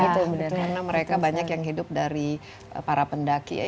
karena mereka banyak yang hidup dari para pendaki